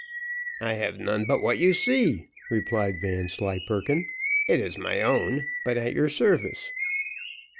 "I have none but what you see," replied Vanslyperken. "It is my own, but at your service."